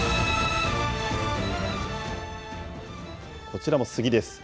こちらも杉です。